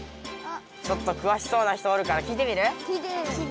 ちょっとくわしそうな人おるから聞いてみる？